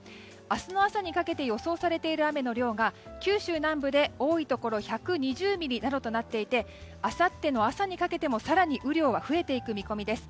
明日の朝にかけて予想されている雨の量が九州南部で多いところで１２０ミリなどとなっていてあさっての朝にかけても更に雨量は増えていく見込みです。